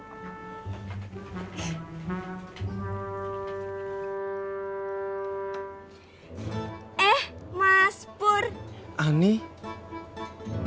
ya ani udah di sini itu suara maspur deh sebentar ya mbak rika aku bukain pintu dulu